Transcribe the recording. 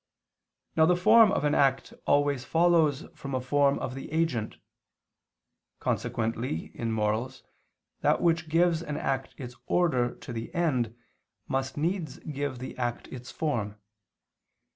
Now the form of an act always follows from a form of the agent. Consequently, in morals, that which gives an act its order to the end, must needs give the act its form.